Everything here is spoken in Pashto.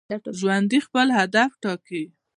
ژوندي خپل هدف ټاکي